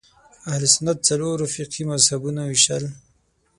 اهل سنت څلورو فقهي مذهبونو وېشل